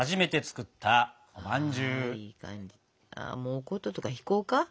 お琴とか弾こうか？